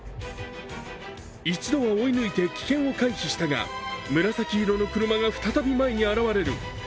一度は追い抜いて危険を回避したが紫色の車が再び前に現れる。